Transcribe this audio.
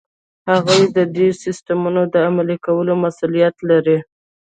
هغوی ددې سیسټمونو د عملي کولو مسؤلیت لري.